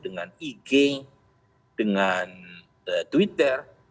dengan ig dengan twitter